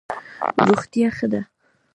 روغتیا ښه ده.